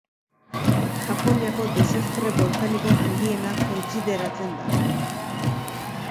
Japoniako desastre bolkaniko handiena kontsideratzen da.